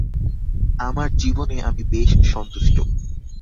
আমার জীবনে আমি বেশ সন্তুষ্ট।